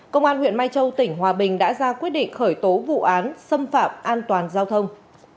công an huyện mai châu tỉnh hòa bình đã ra quyết định khởi tố vụ án xâm phạm an toàn giao thông